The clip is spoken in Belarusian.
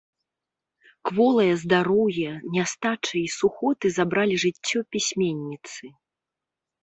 Кволае здароўе, нястача і сухоты забралі жыццё пісьменніцы.